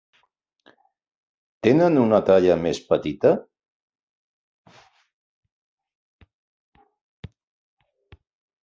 Tenen una talla més petita?